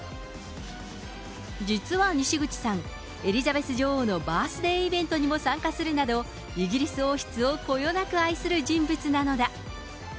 実はにしぐちさん、エリザベス女王のバースデーイベントにも参加するなど、イギリス王室をこよなく愛する人物なのだ。